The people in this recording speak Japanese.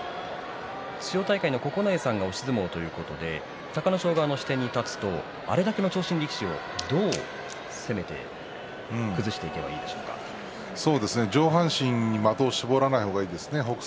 千代大海の九重さん押し相撲ということで隆の勝側の視点に立つとあれだけの長身力士をどう攻めて上半身に的を絞らないのがいいですね。